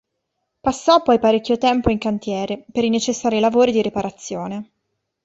Passò poi parecchio tempo in cantiere per i necessari lavori di riparazione.